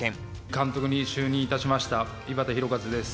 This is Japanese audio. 監督に就任いたしました井端弘和です。